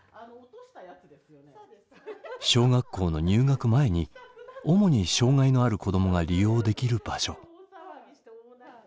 小学校の入学前に主に障害のある子どもが利用できる場所。